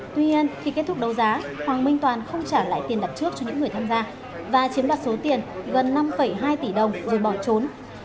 tuy nhiên khi kết thúc đấu giá hoàng minh toàn không trả lại tiền đặt trước cho những người tham gia và chiếm đoạt số tiền gần năm hai tỷ đồng rồi bỏ trốn